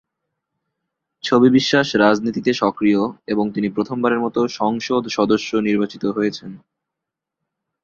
ছবি বিশ্বাস রাজনীতিতে সক্রিয় এবং তিনি প্রথম বারের মতো সংসদ সদস্য নির্বাচিত হয়েছেন।